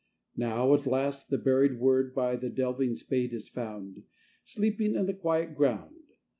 Now at last the buried word By the delving spade is found, Sleeping in the quiet ground.